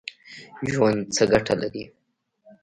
ژوند څه ګټه لري ؟